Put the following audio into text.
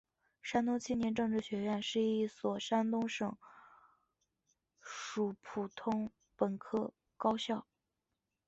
山东青年政治学院是一所山东省属普通本科高校。